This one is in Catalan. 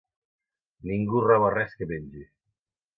Ningú roba res que mengi.